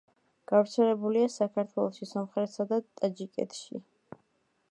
გავრცელებულია საქართველოში, სომხეთსა და ტაჯიკეთში.